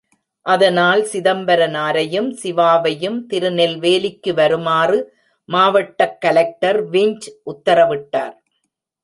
அதனால், சிதம்பரனாரையும், சிவாவையும் திருநெல்வேலிக்கு வருமாறு மாவட்டக் கலெக்டர் விஞ்ச் உத்தரவிட்டார்.